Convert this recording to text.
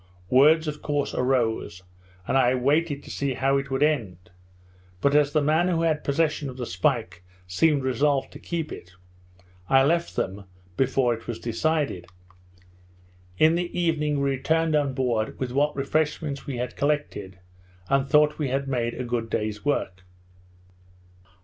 Words of course arose, and I waited to see how it would end; but as the man who had possession of the spike seemed resolved to keep it, I left them before it was decided. In the evening we returned on board with what refreshments we had collected, and thought we had made a good day's work.